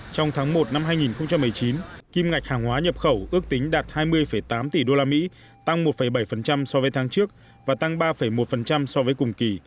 trong tháng một năm hai nghìn một mươi chín kim ngạch hàng hóa nhập khẩu ước tính đạt hai mươi tám tỷ usd tăng một bảy so với tháng trước và tăng ba một so với cùng kỳ